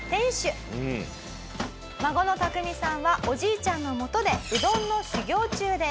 孫のタクミさんはおじいちゃんのもとでうどんの修業中です。